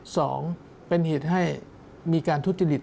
สองเป็นเหตุให้มีการทุจริต